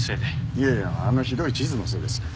いやいやあのひどい地図のせいですよ。